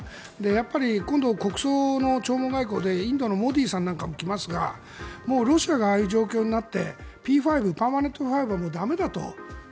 やっぱり今度、国葬の弔問外交でインドのモディさんも来ますがロシアがああいう状況になってＰ５、パーマネントファイブはもう駄目だと。